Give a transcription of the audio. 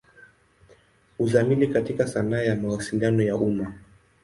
Uzamili katika sanaa ya Mawasiliano ya umma.